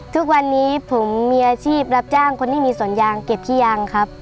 ทุกวันนี้ผมมีอาชีพรับจ้างคนที่มีสวนยางเก็บขี้ยางครับ